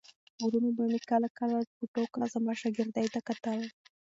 وروڼو به مې کله کله په ټوکه زما شاګردۍ ته کتل.